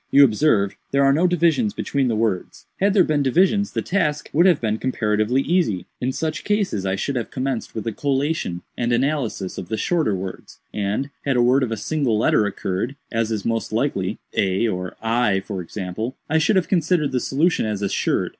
"You observe there are no divisions between the words. Had there been divisions, the task would have been comparatively easy. In such case I should have commenced with a collation and analysis of the shorter words, and, had a word of a single letter occurred, as is most likely, (a or I, for example,) I should have considered the solution as assured.